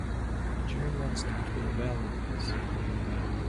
Germans took their valuables.